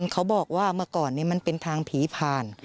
เขาบอกว่าเมื่อก่อนมันเป็นทางผีผ่าน